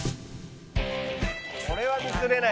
「これはミスれないでしょ